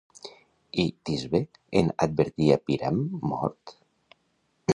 I Tisbe en advertir a Píram mort?